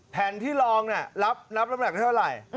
แผ่นที่ลองรับน้ำหนักเท่าไหร่